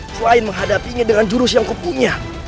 selain menghadapinya dengan jurus yang kau punya